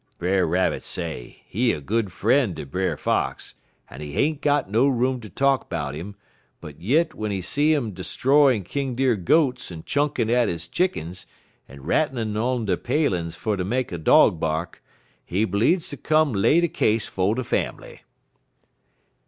"Brer Rabbit say he a good frien' ter Brer Fox, en he ain't got no room ter talk 'bout 'im, but yit w'en he see 'im 'stroyin' King Deer goats en chunkin' at his chickens, en rattlin' on de palin's fer ter make de dog bark, he bleedz ter come lay de case 'fo' de fambly.